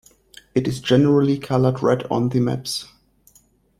It is generally coloured red on the maps.